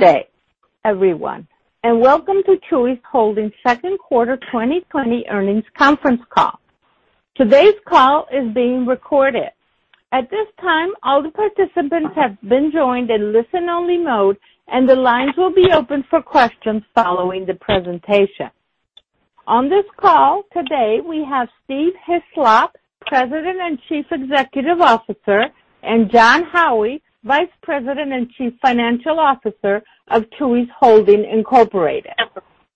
Good day, everyone, welcome to Chuy's Holdings second quarter 2020 earnings conference call. Today's call is being recorded. At this time, all the participants have been joined in listen-only mode, and the lines will be open for questions following the presentation. On this call today, we have Steve Hislop, President and Chief Executive Officer, and Jon Howie, Vice President and Chief Financial Officer of Chuy's Holdings, Incorporated.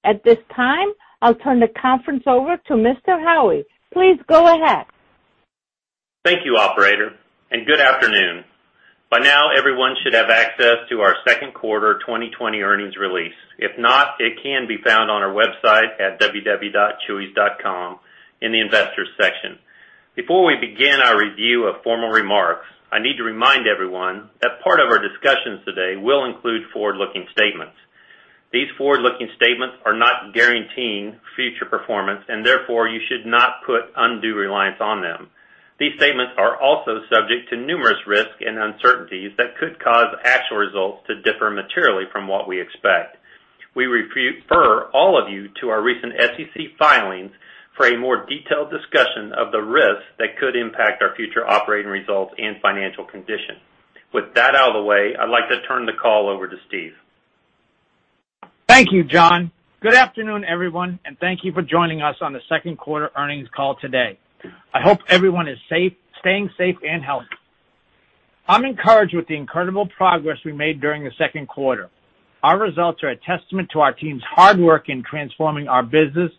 At this time, I'll turn the conference over to Mr. Howie. Please go ahead. Thank you, operator, and good afternoon. By now, everyone should have access to our second quarter 2020 earnings release. If not, it can be found on our website at www.chuys.com in the Investors section. Before we begin our review of formal remarks, I need to remind everyone that part of our discussions today will include forward-looking statements. These forward-looking statements are not guaranteeing future performance, and therefore, you should not put undue reliance on them. These statements are also subject to numerous risks and uncertainties that could cause actual results to differ materially from what we expect. We refer all of you to our recent SEC filings for a more detailed discussion of the risks that could impact our future operating results and financial condition. With that out of the way, I'd like to turn the call over to Steve. Thank you, Jon. Good afternoon, everyone, and thank you for joining us on the second quarter earnings call today. I hope everyone is staying safe and healthy. I'm encouraged with the incredible progress we made during the second quarter. Our results are a testament to our team's hard work in transforming our business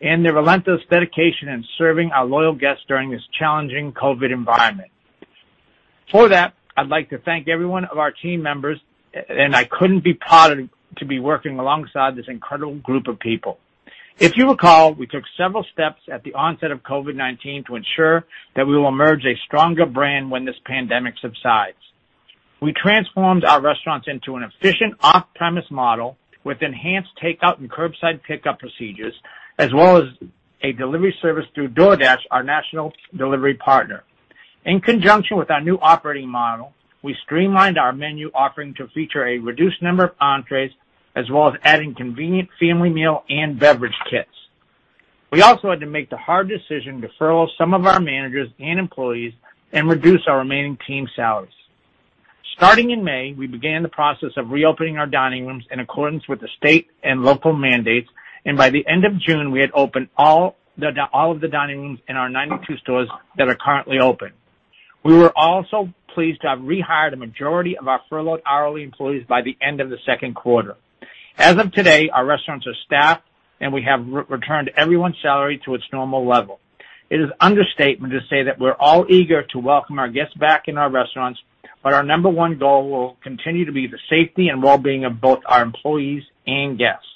and their relentless dedication in serving our loyal guests during this challenging COVID-19 environment. For that, I'd like to thank every one of our team members, and I couldn't be prouder to be working alongside this incredible group of people. If you recall, we took several steps at the onset of COVID-19 to ensure that we will emerge a stronger brand when this pandemic subsides. We transformed our restaurants into an efficient off-premise model with enhanced takeout and curbside pickup procedures, as well as a delivery service through DoorDash, our national delivery partner. In conjunction with our new operating model, we streamlined our menu offering to feature a reduced number of entrees, as well as adding convenient family meal and beverage kits. We also had to make the hard decision to furlough some of our managers and employees and reduce our remaining team's salaries. Starting in May, we began the process of reopening our dining rooms in accordance with the state and local mandates, and by the end of June, we had opened all of the dining rooms in our 92 stores that are currently open. We were also pleased to have rehired a majority of our furloughed hourly employees by the end of the second quarter. As of today, our restaurants are staffed, and we have returned everyone's salary to its normal level. It is an understatement to say that we're all eager to welcome our guests back in our restaurants, but our number one goal will continue to be the safety and well-being of both our employees and guests.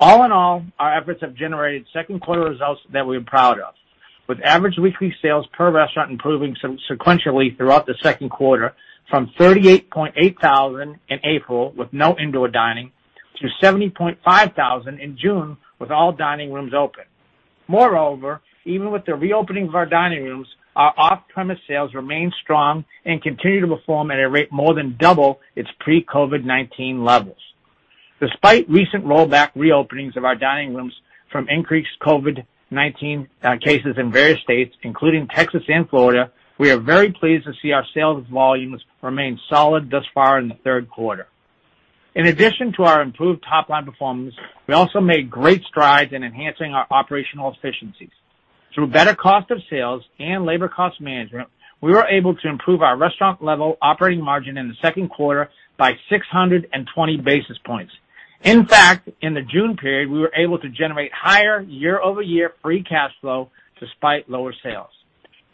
All in all, our efforts have generated second quarter results that we're proud of. With average weekly sales per restaurant improving sequentially throughout the second quarter from $38.8 thousand in April with no indoor dining to $70.5 thousand in June with all dining rooms open. Moreover, even with the reopening of our dining rooms, our off-premise sales remain strong and continue to perform at a rate more than double its pre-COVID-19 levels. Despite recent rollback reopenings of our dining rooms from increased COVID-19 cases in various states, including Texas and Florida, we are very pleased to see our sales volumes remain solid thus far in the third quarter. In addition to our improved top-line performance, we also made great strides in enhancing our operational efficiencies. Through better cost of sales and labor cost management, we were able to improve our restaurant level operating margin in the second quarter by 620 basis points. In fact, in the June period, we were able to generate higher year-over-year free cash flow despite lower sales.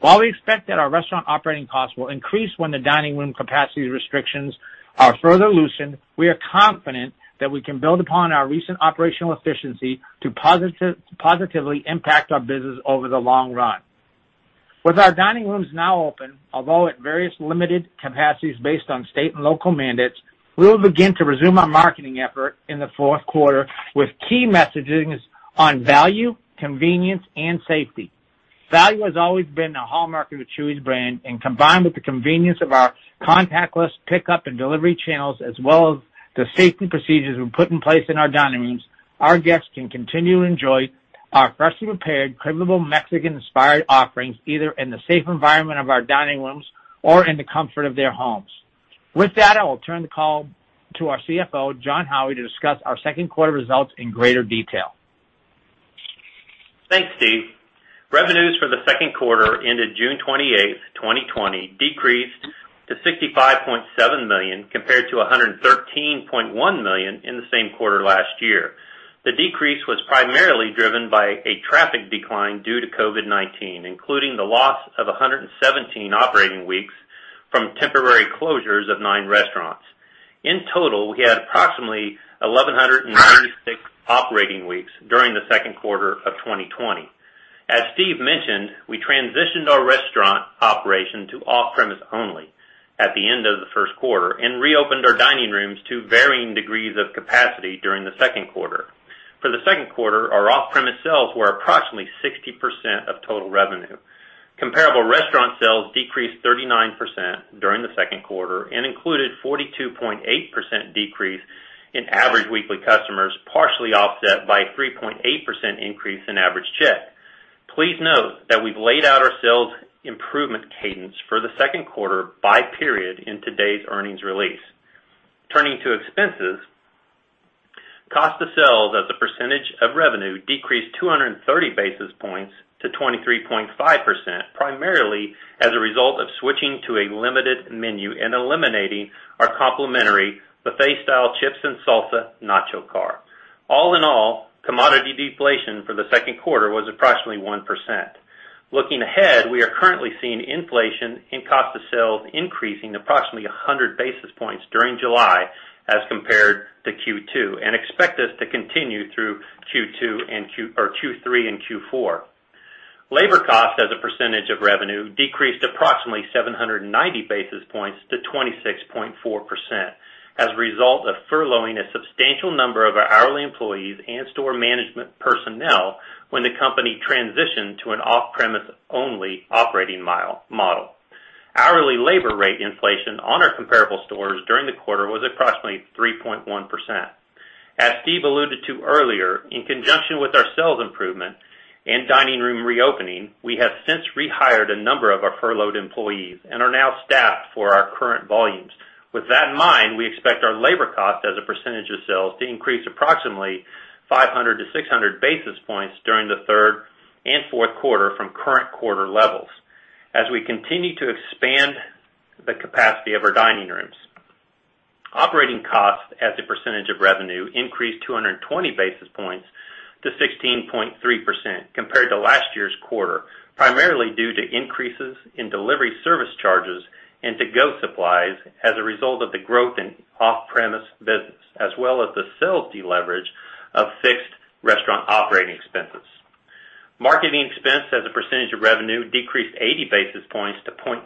While we expect that our restaurant operating costs will increase when the dining room capacity restrictions are further loosened, we are confident that we can build upon our recent operational efficiency to positively impact our business over the long run. With our dining rooms now open, although at various limited capacities based on state and local mandates, we will begin to resume our marketing effort in the fourth quarter with key messages on value, convenience, and safety. Value has always been a hallmark of the Chuy's brand, and combined with the convenience of our contactless pickup and delivery channels, as well as the safety procedures we put in place in our dining rooms, our guests can continue to enjoy our freshly prepared, craveable Mexican-inspired offerings, either in the safe environment of our dining rooms or in the comfort of their homes. With that, I will turn the call to our CFO, Jon Howie, to discuss our second quarter results in greater detail. Thanks, Steve. Revenues for the second quarter ended 28 June 2020, decreased to $65.7 million compared to $113.1 million in the same quarter last year. The decrease was primarily driven by a traffic decline due to COVID-19, including the loss of 117 operating weeks from temporary closures of nine restaurants. In total, we had approximately 1,196 operating weeks during the second quarter of 2020. As Steve mentioned, we transitioned our restaurant operation to off-premise only at the end of the first quarter and reopened our dining rooms to varying degrees of capacity during the second quarter. For the second quarter, our off-premise sales were approximately 60% of total revenue. Comparable restaurant sales decreased 39% during the second quarter and included 42.8% decrease in average weekly customers, partially offset by 3.8% increase in average check. Please note that we've laid out our sales improvement cadence for the second quarter by period in today's earnings release. Turning to expenses, cost of sales as a percentage of revenue decreased 230 basis points to 23.5%, primarily as a result of switching to a limited menu and eliminating our complimentary buffet-style chips and salsa Nacho Car. All in all, commodity deflation for the second quarter was approximately 1%. Looking ahead, we are currently seeing inflation in cost of sales increasing approximately 100 basis points during July as compared to Q2, and expect this to continue through Q3 and Q4. Labor cost as a percentage of revenue decreased approximately 790 basis points to 26.4%, as a result of furloughing a substantial number of our hourly employees and store management personnel when the company transitioned to an off-premise only operating model. Hourly labor rate inflation on our comparable stores during the quarter was approximately 3.1%. As Steve alluded to earlier, in conjunction with our sales improvement and dining room reopening, we have since rehired a number of our furloughed employees and are now staffed for our current volumes. With that in mind, we expect our labor cost as a percentage of sales to increase approximately 500 to 600 basis points during the third and fourth quarter from current quarter levels as we continue to expand the capacity of our dining rooms. Operating cost as a percentage of revenue increased 220 basis points to 16.3% compared to last year's quarter, primarily due to increases in delivery service charges and to-go supplies as a result of the growth in off-premise business, as well as the sales deleverage of fixed restaurant operating expenses. Marketing expense as a percentage of revenue decreased 80 basis points to 0.6%,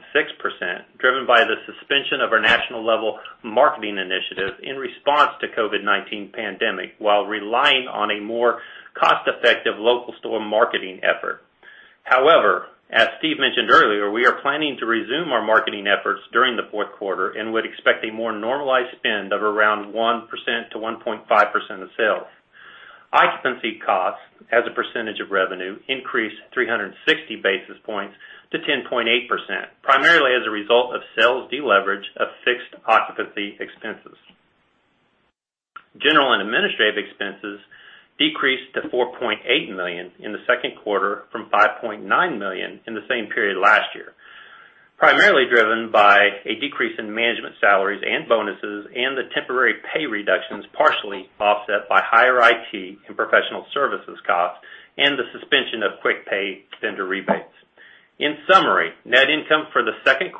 driven by the suspension of our national level marketing initiative in response to COVID-19 pandemic, while relying on a more cost-effective local store marketing effort. As Steve mentioned earlier, we are planning to resume our marketing efforts during the fourth quarter and would expect a more normalized spend of around 1%-1.5% of sales. Occupancy costs as a percentage of revenue increased 360 basis points to 10.8%, primarily as a result of sales deleverage of fixed occupancy expenses. General and administrative expenses decreased to $4.8 million in the second quarter from $5.9 million in the same period last year, primarily driven by a decrease in management salaries and bonuses and the temporary pay reductions partially offset by higher IT and professional services costs and the suspension of quick pay vendor rebates. In summary, net income for Q2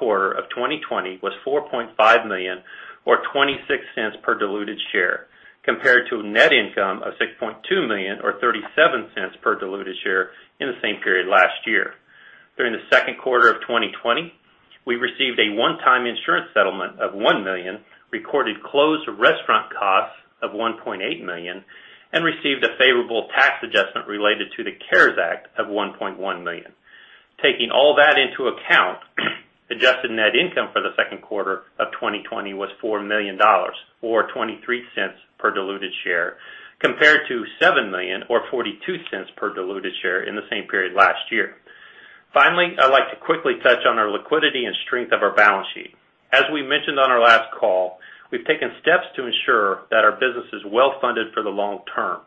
2020 was $4.5 million or $0.26 per diluted share, compared to a net income of $6.2 million or $0.37 per diluted share in the same period last year. During Q2 2020, we received a one-time insurance settlement of $1 million, recorded closed restaurant costs of $1.8 million, and received a favorable tax adjustment related to the CARES Act of $1.1 million. Taking all that into account, adjusted net income for Q2 2020 was $4 million or $0.23 per diluted share, compared to $7 million or $0.42 per diluted share in the same period last year. I'd like to quickly touch on our liquidity and strength of our balance sheet. As we mentioned on our last call, we've taken steps to ensure that our business is well-funded for the long term.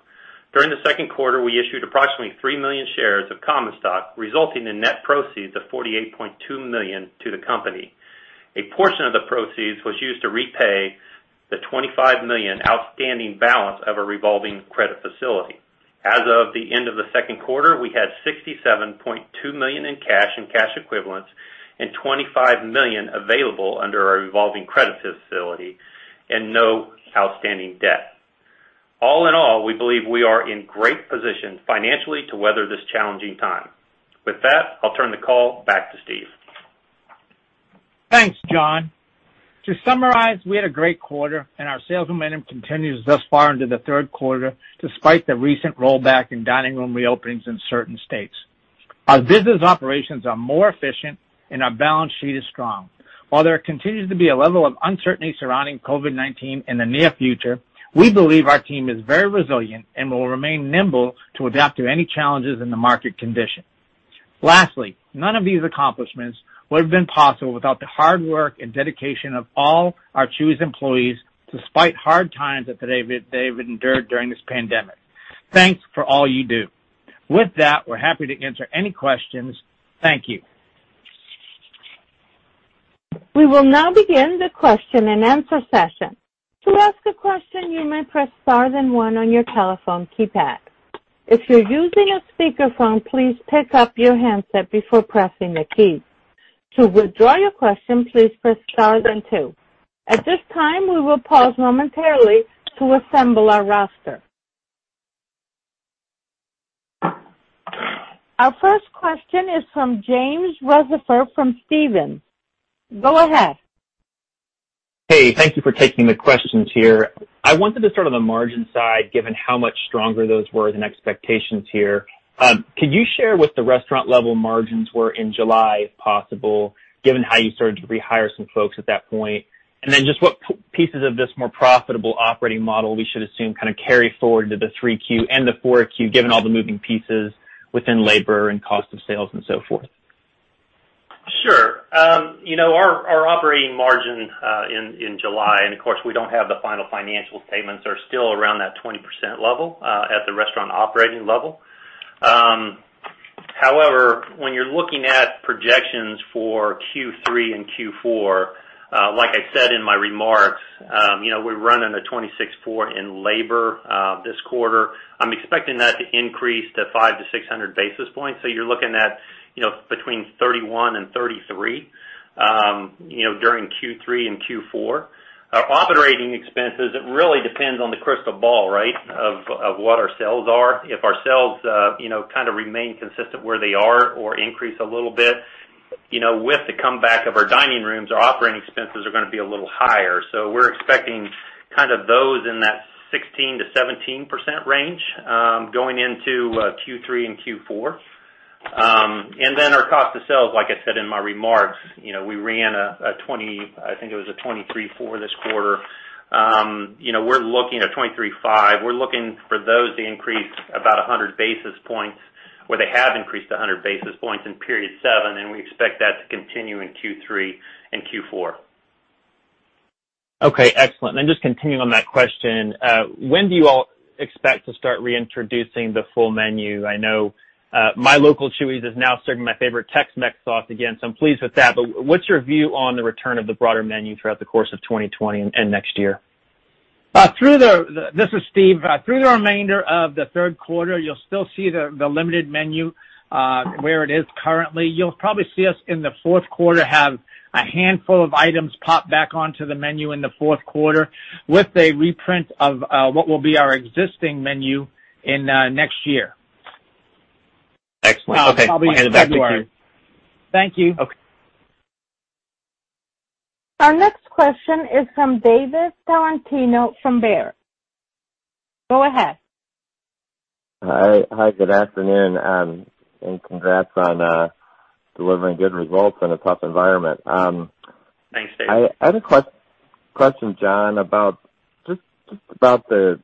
During the second quarter, we issued approximately three million shares of common stock, resulting in net proceeds of $48.2 million to the company. A portion of the proceeds was used to repay the $25 million outstanding balance of a revolving credit facility. As of the end of the second quarter, we had $67.2 million in cash and cash equivalents and $25 million available under our revolving credit facility and no outstanding debt. All in all, we believe we are in great position financially to weather this challenging time. With that, I'll turn the call back to Steve. Thanks, Jon. To summarize, we had a great quarter and our sales momentum continues thus far into the third quarter despite the recent rollback in dining room reopenings in certain states. Our business operations are more efficient and our balance sheet is strong. While there continues to be a level of uncertainty surrounding COVID-19 in the near future, we believe our team is very resilient and will remain nimble to adapt to any challenges in the market condition. Lastly, none of these accomplishments would have been possible without the hard work and dedication of all our Chuy's employees, despite hard times that they've endured during this pandemic. Thanks for all you do. With that, we're happy to answer any questions. Thank you. We will now begin the question and answer session. To ask a question, you may press star then one on your telephone keypad. If you're using a speakerphone, please pick up your handset before pressing the key. To withdraw your question, please press star then two. At this time, we will pause momentarily to assemble our roster. Our first question is from James Rutherford from Stephens. Go ahead. Hey, thank you for taking the questions here. I wanted to start on the margin side, given how much stronger those were than expectations here. Could you share what the restaurant level margins were in July, if possible, given how you started to rehire some folks at that point? Then just what pieces of this more profitable operating model we should assume carry forward to the Q3 and the Q4, given all the moving pieces within labor and cost of sales and so forth? Sure. Our operating margin, in July, and of course, we don't have the final financial statements, are still around that 20% level at the restaurant operating level. When you're looking at projections for Q3 and Q4, like I said in my remarks, we're running a 26.4% in labor this quarter. I'm expecting that to increase to 500-600 basis points. You're looking at between 31% and 33%, during Q3 and Q4. Operating expenses, it really depends on the crystal ball, right, of what our sales are. If our sales kind of remain consistent where they are or increase a little bit, with the comeback of our dining rooms, our operating expenses are going to be a little higher. We're expecting those in that 16%-17% range, going into Q3 and Q4. Our cost of sales, like I said in my remarks, I think it was a 23.4 this quarter. We're looking at 23.5. We're looking for those to increase about 100 basis points, or they have increased 100 basis points in period seven, and we expect that to continue in Q3 and Q4. Okay, excellent. Just continuing on that question, when do you all expect to start reintroducing the full menu? I know my local Chuy's is now serving my favorite Tex-Mex sauce again, so I'm pleased with that. What's your view on the return of the broader menu throughout the course of 2020 and next year? This is Steve. Through the remainder of the third quarter, you'll still see the limited menu, where it is currently. You'll probably see us in the fourth quarter have a handful of items pop back onto the menu in the fourth quarter with a reprint of what will be our existing menu in next year. Excellent. Okay. I'll get back to the queue. Thank you. Okay. Our next question is from David Tarantino from Baird. Go ahead. Hi, good afternoon, congrats on delivering good results in a tough environment. Thanks, David. I had a question, Jon, about the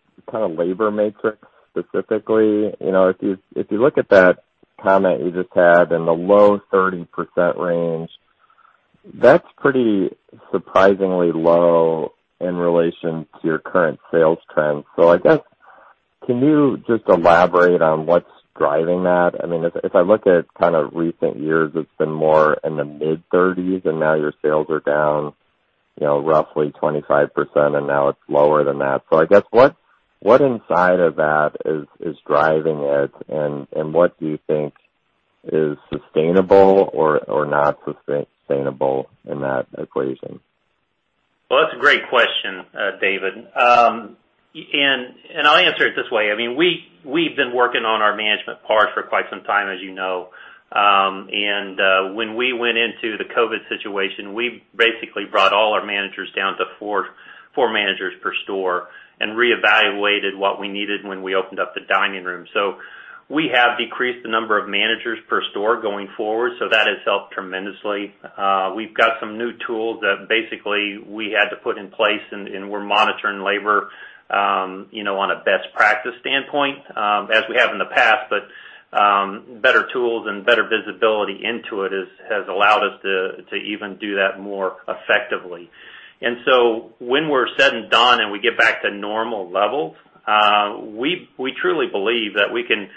labor matrix specifically. If you look at that comment you just had in the low 30% range, that's pretty surprisingly low in relation to your current sales trends. I guess, can you just elaborate on what's driving that? If I look at recent years, it's been more in the mid-30s, and now your sales are down roughly 25%, and now it's lower than that. I guess, what inside of that is driving it, and what do you think is sustainable or not sustainable in that equation? That's a great question, David. I'll answer it this way. We've been working on our management part for quite some time, as you know. When we went into the COVID-19 situation, we basically brought all our managers down to four managers per store and reevaluated what we needed when we opened up the dining room. We have decreased the number of managers per store going forward, so that has helped tremendously. We've got some new tools that basically we had to put in place, and we're monitoring labor on a best practice standpoint, as we have in the past, but better tools and better visibility into it has allowed us to even do that more effectively. When we're said and done and we get back to normal levels, we truly believe that we can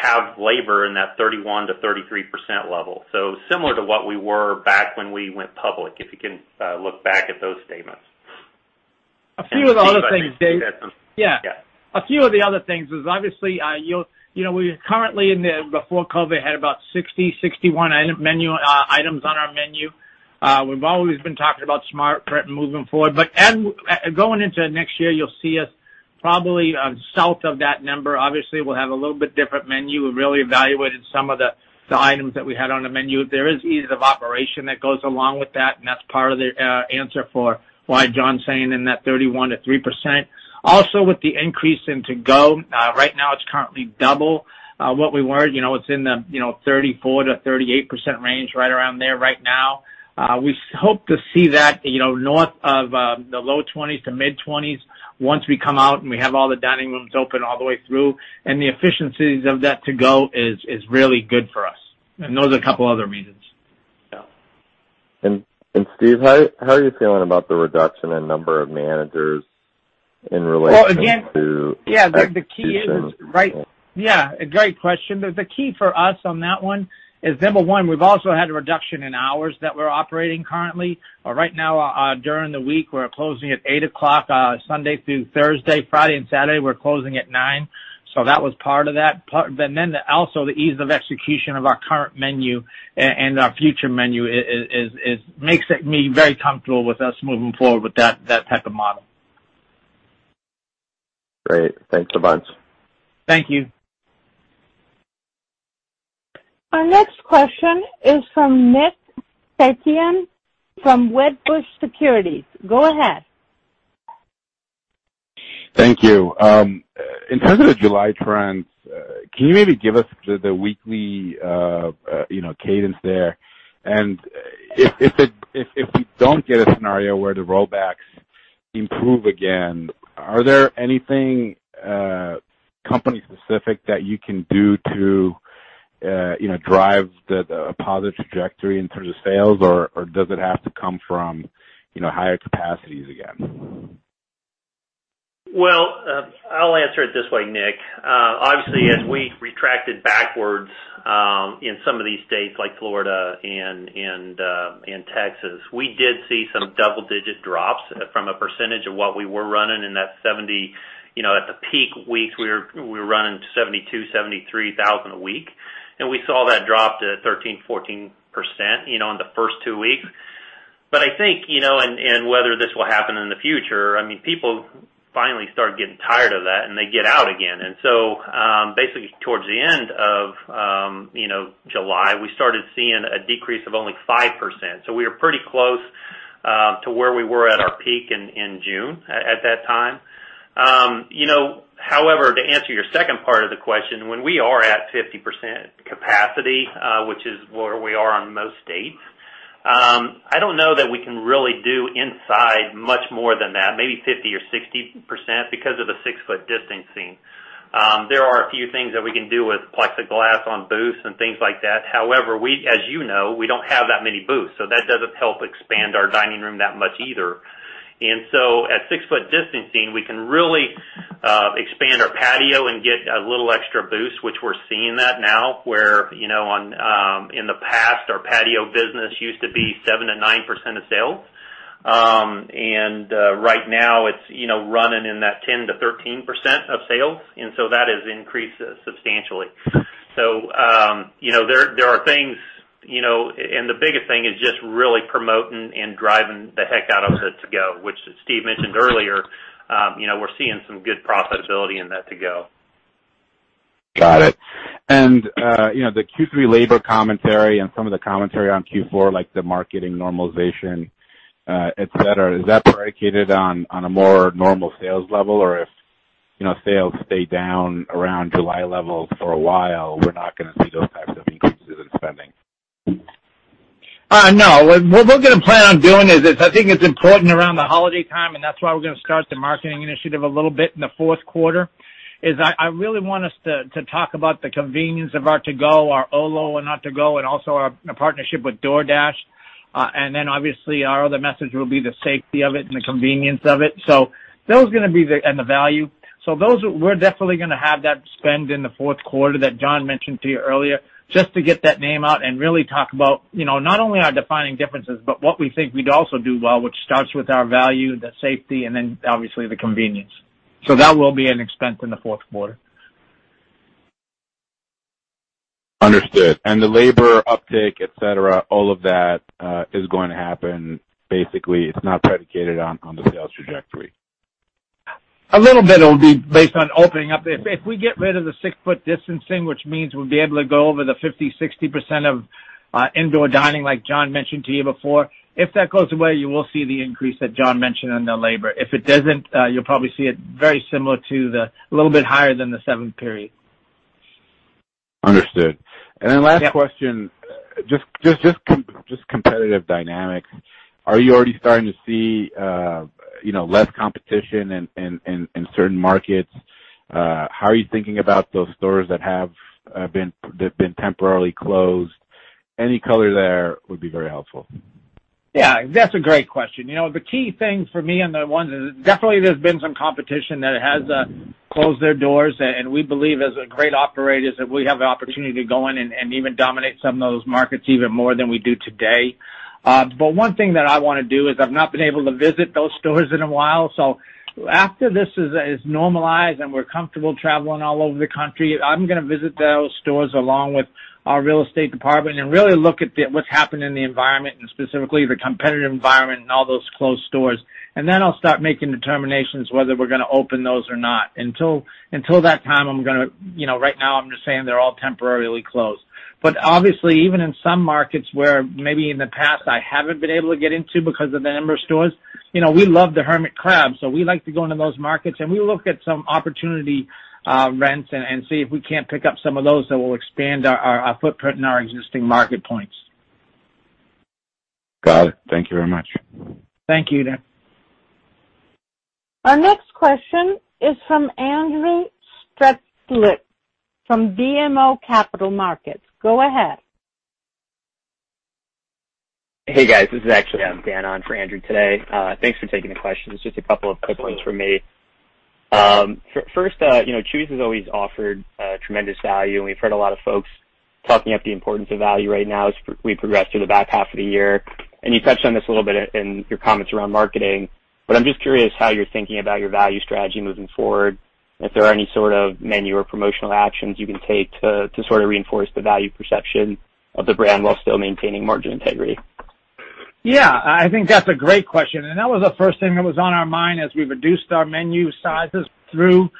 have labor in that 31%-33% level. Similar to what we were back when we went public, if you can look back at those statements. A few of the other things, David. Yeah. A few of the other things is obviously, we currently, before COVID-19, had about 60, 61 items on our menu. We've always been talking about smart prep moving forward. Going into next year, you'll see us probably south of that number. Obviously, we'll have a little bit different menu. We really evaluated some of the items that we had on the menu. There is ease of operation that goes along with that, and that's part of the answer for why Jon's saying in that 31% - 3%. With the increase in to-go, right now it's currently double what we were. It's in the 34%-38% range, right around there right now. We hope to see that north of the low 20s to mid-20s once we come out and we have all the dining rooms open all the way through. The efficiencies of that to-go is really good for us. Those are a couple other reasons. Yeah. Steve, how are you feeling about the reduction in number of managers in relation to execution? Great question. The key for us on that one is, number one, we've also had a reduction in hours that we're operating currently. Right now, during the week, we're closing at 8:00 PM Sunday through Thursday. Friday and Saturday, we're closing at 9:00 PM, so that was part of that. Also the ease of execution of our current menu and our future menu makes me very comfortable with us moving forward with that type of model. Great. Thanks a bunch. Thank you. Our next question is from Nick Setyan from Wedbush Securities. Go ahead. Thank you. In terms of the July trends, can you maybe give us the weekly cadence there? If we don't get a scenario where the rollbacks improve again, are there anything company specific that you can do to drive the positive trajectory in terms of sales, or does it have to come from higher capacities again? I'll answer it this way, Nick. Obviously, as we retracted backwards in some of these states like Florida and Texas, we did see some double-digit drops from a percentage of what we were running in that 70. At the peak weeks, we were running 72,000, 73,000 a week, and we saw that drop to 13%, 14% in the first two weeks. I think, and whether this will happen in the future, people finally start getting tired of that, and they get out again. Basically, towards the end of July, we started seeing a decrease of only 5%. We are pretty close to where we were at our peak in June, at that time. To answer your second part of the question, when we are at 50% capacity, which is where we are on most states, I don't know that we can really do inside much more than that, maybe 50% or 60%, because of the six-foot distancing. There are a few things that we can do with plexiglass on booths and things like that. As you know, we don't have that many booths, so that doesn't help expand our dining room that much either. At six-foot distancing, we can really expand our patio and get a little extra boost, which we're seeing that now, where in the past, our patio business used to be 7%-9% of sales. Right now, it's running in that 10%-13% of sales, and so that has increased substantially. There are things, and the biggest thing is just really promoting and driving the heck out of the to-go, which Steve mentioned earlier. We're seeing some good profitability in that to-go. Got it. The Q3 labor commentary and some of the commentary on Q4, like the marketing normalization, et cetera, is that predicated on a more normal sales level? Or if sales stay down around July levels for a while, we're not going to see those types of increases in spending? No. What we're going to plan on doing is, I think it's important around the holiday time, and that's why we're going to start the marketing initiative a little bit in the fourth quarter, is I really want us to talk about the convenience of our to-go, our Olo and our to-go, and also our partnership with DoorDash. Obviously, our other message will be the safety of it and the convenience of it, and the value. Those, we're definitely going to have that spend in the fourth quarter that Jon mentioned to you earlier, just to get that name out and really talk about not only our defining differences, but what we think we'd also do well, which starts with our value, the safety, and then obviously the convenience. That will be an expense in the fourth quarter. Understood. The labor uptick, et cetera, all of that is going to happen, basically, it's not predicated on the sales trajectory. A little bit will be based on opening up. If we get rid of the six-foot distancing, which means we'll be able to go over the 50%-60% of indoor dining, like Jon mentioned to you before. If that goes away, you will see the increase that Jon mentioned on the labor. If it doesn't, you'll probably see it very similar to, little bit higher than the seventh period. Understood. Yeah. Last question, just competitive dynamics. Are you already starting to see less competition in certain markets? How are you thinking about those stores that have been temporarily closed? Any color there would be very helpful. Yeah. That's a great question. The key thing for me, and the ones is definitely there's been some competition that has closed their doors, and we believe as a great operator is that we have an opportunity to go in and even dominate some of those markets even more than we do today. One thing that I want to do is, I've not been able to visit those stores in a while. After this is normalized and we're comfortable traveling all over the country, I'm going to visit those stores along with our real estate department and really look at what's happened in the environment, and specifically the competitive environment and all those closed stores. I'll start making determinations whether we're going to open those or not. Until that time, right now I'm just saying they're all temporarily closed. Obviously, even in some markets where maybe in the past I haven't been able to get into because of the number of stores, we love the hermit crab. We like to go into those markets. We look at some opportunity rents and see if we can't pick up some of those that will expand our footprint in our existing market points. Got it. Thank you very much. Thank you, Nick. Our next question is from Andrew Strelzik from BMO Capital Markets. Go ahead. Hey, guys. This is actually Dan on for Andrew today. Thanks for taking the questions. Just a couple of quick ones from me. Absolutely. First, Chuy's has always offered tremendous value, and we've heard a lot of folks talking up the importance of value right now as we progress through the back half of the year. You touched on this a little bit in your comments around marketing, but I'm just curious how you're thinking about your value strategy moving forward and if there are any sort of menu or promotional actions you can take to sort of reinforce the value perception of the brand while still maintaining margin integrity? I think that's a great question, and that was the first thing that was on our mind as we reduced our menu sizes during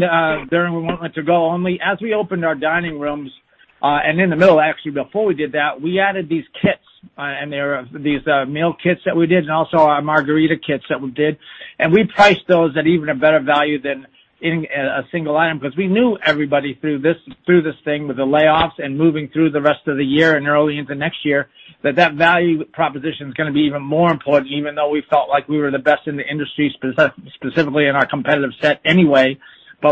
we went to go-only. As we opened our dining rooms, and in the middle, actually, before we did that, we added these kits. There are these meal kits that we did, and also our margarita kits that we did, and we priced those at even a better value than a single item. We knew everybody through this thing, with the layoffs and moving through the rest of the year and early into next year, that that value proposition is going to be even more important, even though we felt like we were the best in the industry, specifically in our competitive set anyway.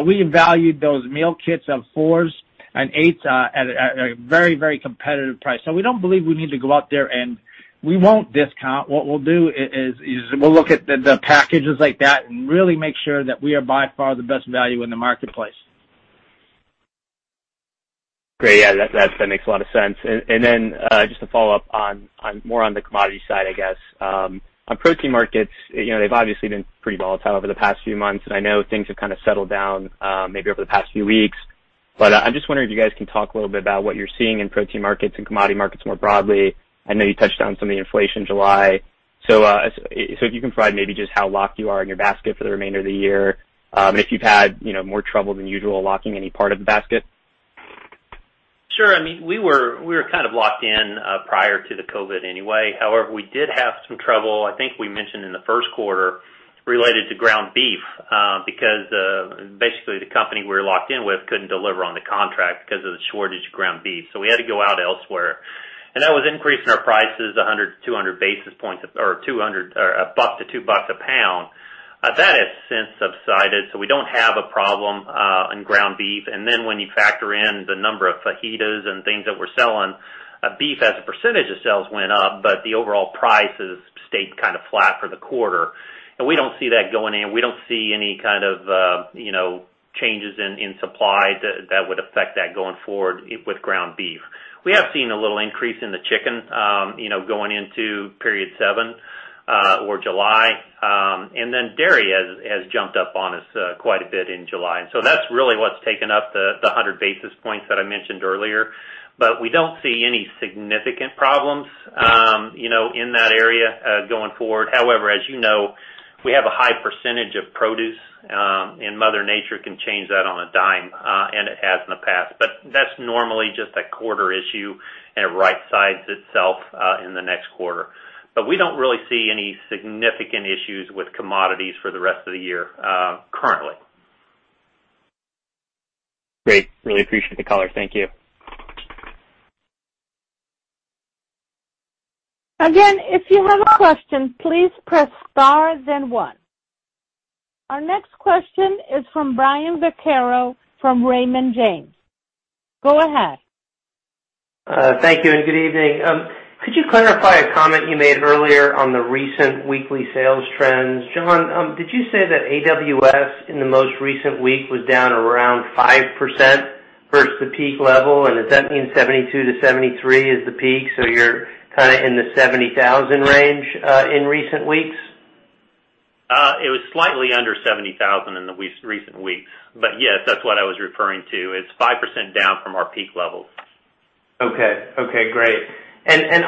We valued those meal kits of fours and eights at a very competitive price. We don't believe we need to go out there, and we won't discount. What we'll do is we'll look at the packages like that and really make sure that we are by far the best value in the marketplace. Great. Yeah, that makes a lot of sense. Just to follow up more on the commodity side, I guess. On protein markets, they've obviously been pretty volatile over the past few months, and I know things have kind of settled down maybe over the past few weeks, but I'm just wondering if you guys can talk a little bit about what you're seeing in protein markets and commodity markets more broadly. I know you touched on some of the inflation in July. If you can provide maybe just how locked you are in your basket for the remainder of the year, and if you've had more trouble than usual locking any part of the basket. Sure. We were kind of locked in prior to the COVID-19 anyway. We did have some trouble, I think we mentioned in the first quarter, related to ground beef, because basically the company we were locked in with couldn't deliver on the contract because of the shortage of ground beef. We had to go out elsewhere, and that was increasing our prices 100 to 200 basis points, or $1 to $2 a pound. That has since subsided, we don't have a problem on ground beef. When you factor in the number of fajitas and things that we're selling, beef as a percentage of sales went up, the overall prices stayed kind of flat for the quarter. We don't see that going in. We don't see any kind of changes in supply that would affect that going forward with ground beef. We have seen a little increase in the chicken, going into period seven or July, and then dairy has jumped up on us quite a bit in July. That's really what's taken up the 100 basis points that I mentioned earlier. We don't see any significant problems in that area going forward. However, as you know, we have a high percentage of produce, and Mother Nature can change that on a dime, and it has in the past. That's normally just a quarter issue, and it right-sizes itself in the next quarter. We don't really see any significant issues with commodities for the rest of the year currently. Great. Really appreciate the color. Thank you. If you have a question, please press star then one. Our next question is from Brian Vaccaro from Raymond James. Go ahead. Thank you and good evening. Could you clarify a comment you made earlier on the recent weekly sales trends? Jon, did you say that AWS in the most recent week was down around 5% versus the peak level? Does that mean 72 to 73 is the peak, so you're kind of in the $70,000 range in recent weeks? It was slightly under 70,000 in the recent weeks, but yes, that's what I was referring to. It's 5% down from our peak levels. Okay. Great.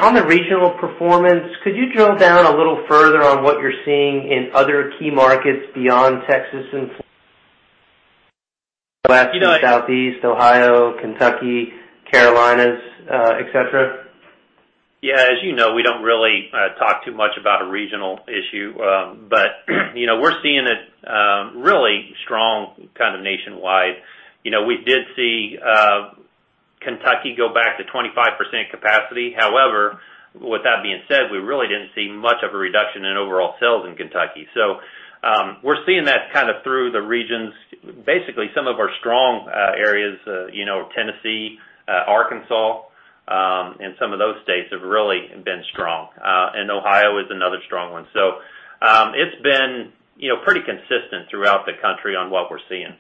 On the regional performance, could you drill down a little further on what you're seeing in other key markets beyond Texas and Southeast Ohio, Kentucky, Carolinas, et cetera? As you know, we don't really talk too much about a regional issue, but we're seeing it really strong kind of nationwide. We did see Kentucky go back to 25% capacity. However, with that being said, we really didn't see much of a reduction in overall sales in Kentucky. We're seeing that kind of through the regions. Basically, some of our strong areas, Tennessee, Arkansas, and some of those states have really been strong. Ohio is another strong one. It's been pretty consistent throughout the country on what we're seeing.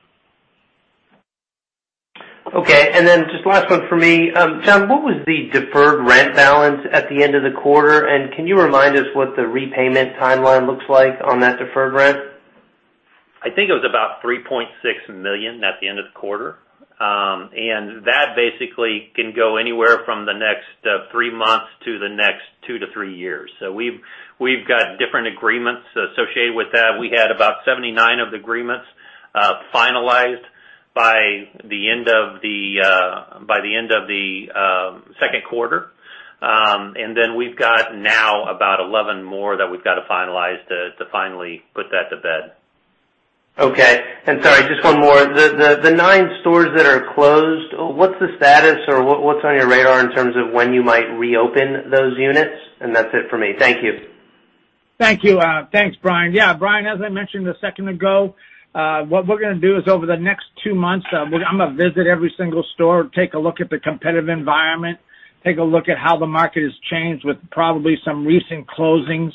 Okay. Just last one from me. Jon, what was the deferred rent balance at the end of the quarter, and can you remind us what the repayment timeline looks like on that deferred rent? I think it was about $3.6 million at the end of the quarter. That basically can go anywhere from the next three months to the next two to three years. We've got different agreements associated with that. We had about 79 of the agreements finalized by the end of the second quarter. We've got now about 11 more that we've got to finalize to finally put that to bed. Okay. Sorry, just one more. The nine stores that are closed, what's the status or what's on your radar in terms of when you might reopen those units? That's it for me. Thank you. Thank you. Thanks, Brian. Yeah, Brian, as I mentioned a second ago, what we're going to do is over the next two months, I'm going to visit every single store, take a look at the competitive environment, take a look at how the market has changed with probably some recent closings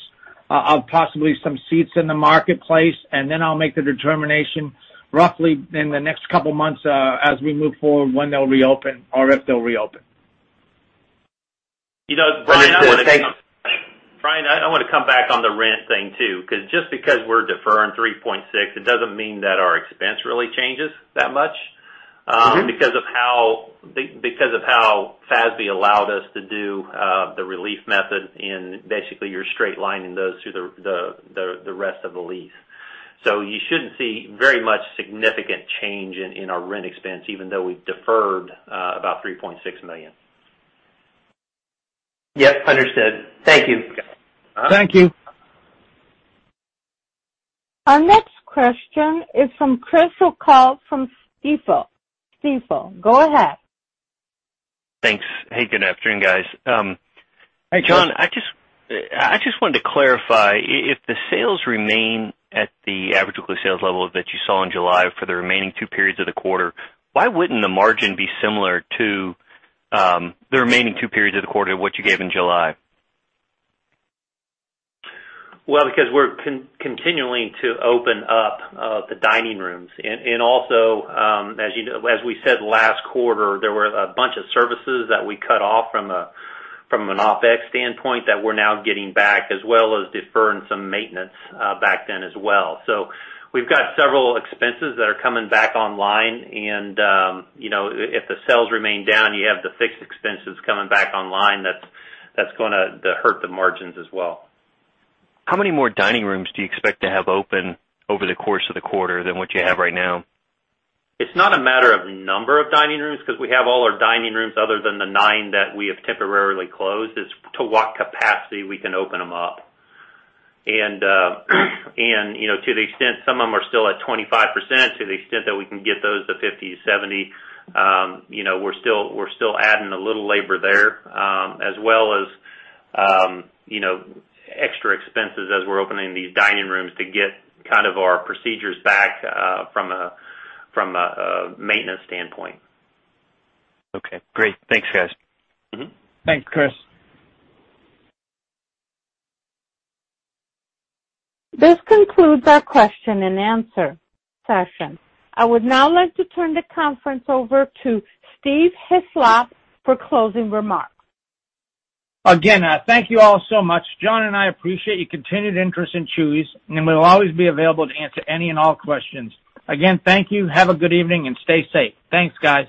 of possibly some seats in the marketplace, and then I'll make the determination roughly in the next couple of months as we move forward when they'll reopen or if they'll reopen. Brian, I want to come back on the rent thing too, because just because we're deferring $3.6, it doesn't mean that our expense really changes that much. Because of how FASB allowed us to do the relief method in basically you're straight lining those through the rest of the lease. You shouldn't see very much significant change in our rent expense, even though we deferred about $3.6 million. Yes, understood. Thank you. Thank you. Our next question is from Chris O'Cull from Stifel. Go ahead. Thanks. Hey, good afternoon, guys. Hey, Chris. Jon, I just wanted to clarify. If the sales remain at the average weekly sales level that you saw in July for the remaining two periods of the quarter, why wouldn't the margin be similar to the remaining two periods of the quarter to what you gave in July? Well, because we're continuing to open up the dining rooms. Also, as we said last quarter, there were a bunch of services that we cut off from an OpEx standpoint that we're now getting back, as well as deferred some maintenance back then as well. We've got several expenses that are coming back online and if the sales remain down, you have the fixed expenses coming back online, that's going to hurt the margins as well. How many more dining rooms do you expect to have open over the course of the quarter than what you have right now? It's not a matter of number of dining rooms because we have all our dining rooms other than the nine that we have temporarily closed. It's to what capacity we can open them up. To the extent some of them are still at 25%, to the extent that we can get those to 50, 70, we're still adding a little labor there. As well as extra expenses as we're opening these dining rooms to get our procedures back from a maintenance standpoint. Okay, great. Thanks, guys. Mm-hmm. Thanks, Chris. This concludes our question and answer session. I would now like to turn the conference over to Steve Hislop for closing remarks. Again, thank you all so much. Jon and I appreciate your continued interest in Chuy's, and we'll always be available to answer any and all questions. Again, thank you. Have a good evening and stay safe. Thanks, guys.